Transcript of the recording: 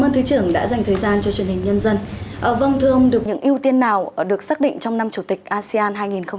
thứ trưởng đã dành thời gian cho truyền hình nhân dân vâng thưa ông được những ưu tiên nào được xác định trong năm chủ tịch asean hai nghìn hai mươi